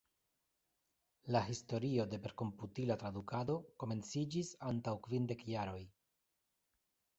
La historio de perkomputila tradukado komenciĝis antaŭ kvindek jaroj.